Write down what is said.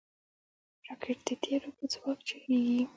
راکټ د تیلو په ځواک چلیږي